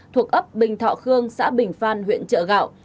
thuộc ấp bình thọ khương xã bình phan huyện chợ gạo